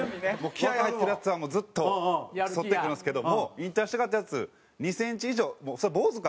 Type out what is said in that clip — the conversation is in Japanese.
気合入ってるヤツはもうずっとそってくるんですけどもう引退したがってるヤツ２センチ以上それ坊主か？